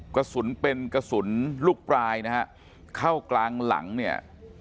กระสุนเป็นกระสุนลูกปลายนะฮะเข้ากลางหลังเนี่ย